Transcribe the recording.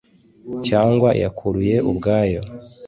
cyangwa yakuruye ubwayo.